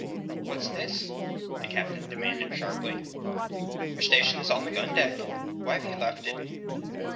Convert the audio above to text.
"What's this?" the Captain demanded sharply. "Your station is on the gun deck. Why have you left it?"